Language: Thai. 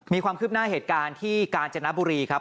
มีความคืบหน้าเหตุการณ์ที่กาญจนบุรีครับ